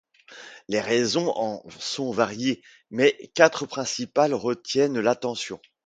Les raisons en sont variées mais quatre principales retiennent l'attention.